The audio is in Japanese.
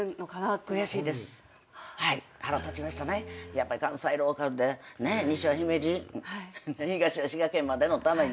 やっぱり関西ローカルで西は姫路東は滋賀県までのためにね